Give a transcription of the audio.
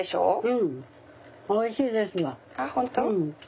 うん。